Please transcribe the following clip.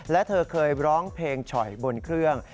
และเธอเคยร้องเพลงฉ่อยบนเครื่อง